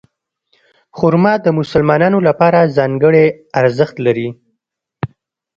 خرما د مسلمانانو لپاره ځانګړی ارزښت لري.